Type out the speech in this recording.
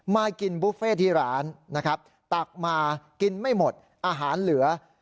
มากินบุฟเฟ่ที่ร้านนะครับตักมากินไม่หมดอาหารเหลือ